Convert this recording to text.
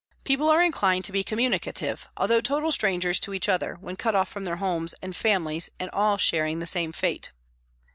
People are inclined to be communicative, although total strangers to each other, when cut off from their homes and friends and all sharing the same fate.